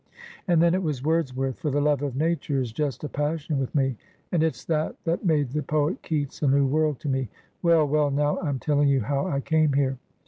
"And then it was Wordsworth, for the love of nature is just a passion with me, and it's that that made the poet Keats a new world to me. Well, well, now I'm telling you how I came here.